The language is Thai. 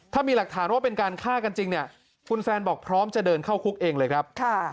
ถ้ามีหลักฐานว่าเป็นการฆ่ากันจริงเนี่ยคุณแซนบอกพร้อมจะเดินเข้าคุกเองเลยครับ